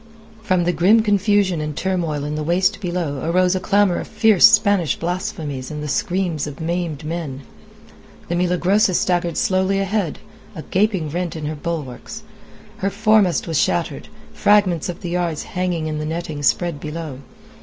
From the grim confusion and turmoil in the waist below arose a clamour of fierce Spanish blasphemies and the screams of maimed men. The Milagrosa staggered slowly ahead, a gaping rent in her bulwarks; her foremast was shattered, fragments of the yards hanging in the netting spread below.